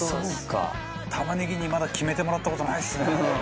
玉ねぎにまだ決めてもらった事ないですね。